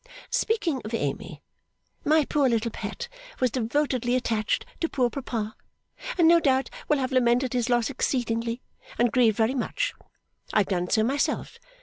Speaking of Amy; my poor little pet was devotedly attached to poor papa, and no doubt will have lamented his loss exceedingly, and grieved very much. I have done so myself.